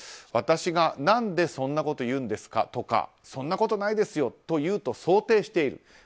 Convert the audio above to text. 私が何でそんなこと言うんですか？とかそんなことないですよと言うと想定している。